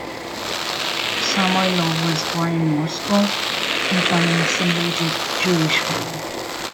Samoylov was born in Moscow into an assimilated Jewish family.